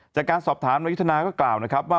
จากการสอบถามนายุทธนาก็กล่าวนะครับว่า